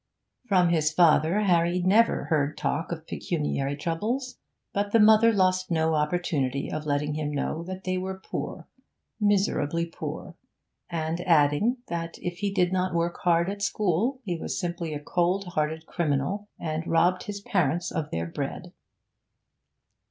From his father Harry never heard talk of pecuniary troubles, but the mother lost no opportunity of letting him know that they were poor, miserably poor; and adding, that if he did not work hard at school he was simply a cold hearted criminal, and robbed his parents of their bread.